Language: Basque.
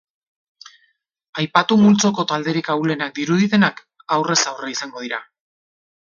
Aipatu multzoko talderik ahulenak diruditenak aurrez aurre izango dira.